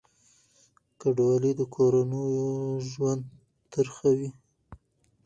کډوالي د کورنیو ژوند تریخوي.